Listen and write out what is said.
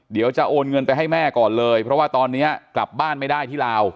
เดี๋ยวจะโอนเงินไปให้แม่ก่อนเลยเพราะว่าตอนนี้กลับบ้านไม่ได้ที่ลาว